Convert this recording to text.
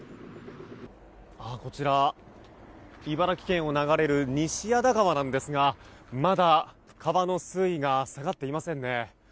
こちら、茨城県を流れる西谷田川なんですがまだ、川の水位が下がっていませんね。